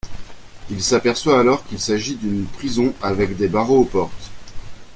Il s'aperçoit alors qu'il s'agit d'une prison avec des barreaux aux portes.